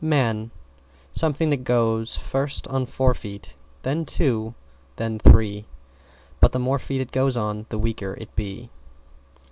=MAN= Something that "Goes first on four feet, then two feet, then three, but the more feet it goes on the weaker it be!"